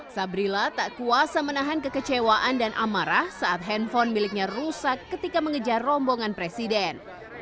sabrilla tak kuasa menahan kekecewaan dan amarah saat handphone miliknya rusak ketika mengejar rombongan presiden